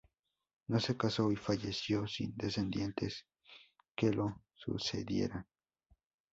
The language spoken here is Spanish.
No se casó y falleció sin descendientes que lo sucedieran.